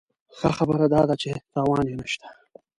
ښه خبره داده چې تاوان یې نه شته.